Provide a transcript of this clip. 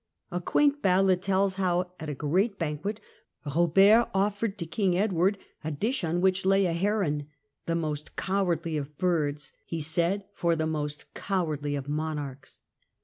A quaint ballad tells how, at a great banquet, Robert offered to King Edward a dish on which lay a heron, — the most cowardly of birds, he said, for the most cowardly of monarchs.